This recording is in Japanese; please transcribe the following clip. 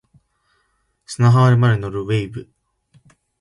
砂浜まで乗る wave